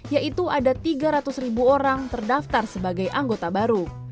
yaitu ada tiga ratus ribu orang terdaftar sebagai anggota baru